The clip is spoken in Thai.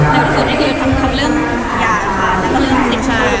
แล้วสุดที่คือทำเรื่องอย่างค่ะแล้วก็เรื่องสิทธิ์ชาย